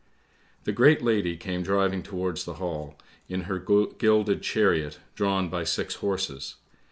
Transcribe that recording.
" The great lady came driving towards the Hall, in her gilded chariot drawn by six horses.